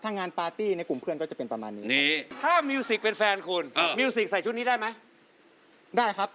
ถ้าเกิดว่ามีผู้ชายมามองมิวสิกใส่ชุดนี้